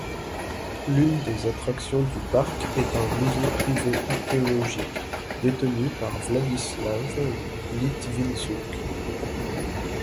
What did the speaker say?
L'une des attractions du parc est un musée privé archéologique, détenu par Władysław Litwinczuk.